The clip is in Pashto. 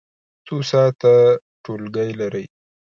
څو ساعته ټولګی لرئ؟